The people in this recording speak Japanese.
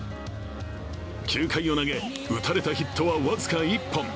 ９回を投げ、打たれたヒットは僅か１本。